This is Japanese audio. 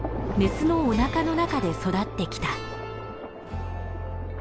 メスのおなかの中で育ってきた。